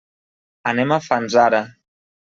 Anem a Fanzara.